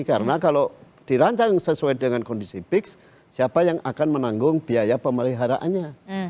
karena kalau dirancang sesuai dengan kondisi fix siapa yang akan menanggung biaya pemeliharaannya